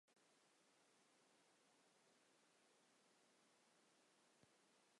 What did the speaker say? কিন্তু সে সময়ে ব্রাহ্মণ পরিবারে সঙ্গীতকে গুরুত্বের সাথে দেখা হত না।